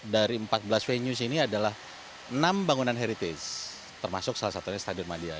dari empat belas venue sini adalah enam bangunan heritage termasuk salah satunya stadion madia